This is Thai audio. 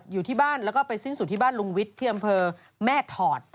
อยู่ที่บ้านแล้วก็ไปสิ้นสุดที่บ้านลุงวิทย์ที่อำเภอแม่ถอด